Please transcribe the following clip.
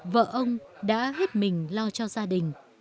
vợ ông đã hết mình lo cho gia đình